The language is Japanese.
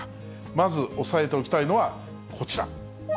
まず押さえておきたいのは、こちら。